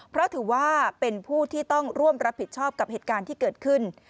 เพราะถือว่าเป็นผู้ที่ต้องร่วมรับผิดชอบกับเหตุการณ์ที่เกิดขึ้น